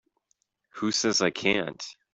Who says I can't?